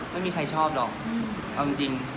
ไม่มีใครชอบหรอกเอาจริง